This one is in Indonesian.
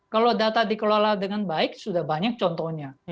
kalau data dikelola dengan baik sudah banyak contohnya